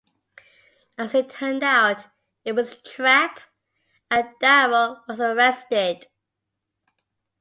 As it turned out, it was a trap and Darrow was arrested.